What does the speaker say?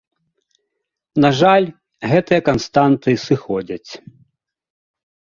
На жаль, гэтыя канстанты сыходзяць.